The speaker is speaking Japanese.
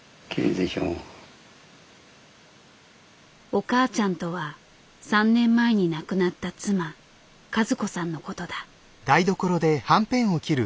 「お母ちゃん」とは３年前に亡くなった妻和子さんのことだ。